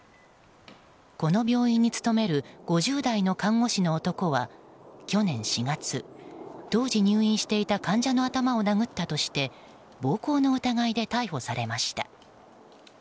この病院に勤める５０代の看護師の男は去年４月、当時入院していた患者の頭を殴ったとして暴行の疑いで逮捕されました。